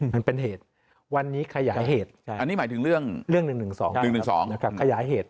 มันเป็นเหตุวันนี้ขยายเหตุอันนี้หมายถึงเรื่อง๑๑๒๑๑๒ขยายเหตุ